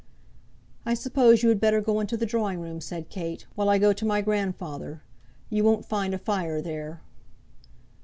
"I suppose you had better go into the drawing room," said Kate; "while I go to my grandfather. You won't find a fire there."